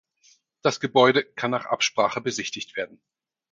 Das Gebäude kann nach Absprache besichtigt werden.